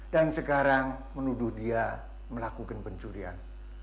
dan sekarang menuduh dia melakukan pencurian